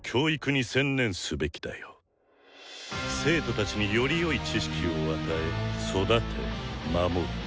生徒たちによりよい知識を与え育て守る。